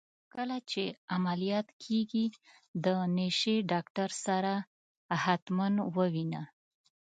کله چي عمليات کيږې د نشې ډاکتر سره حتما ووينه.